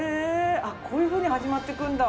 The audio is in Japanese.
あっこういうふうに始まっていくんだ。